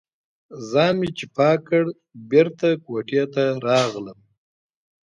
ځان مې چې پاک کړ، بېرته کوټې ته راغلم.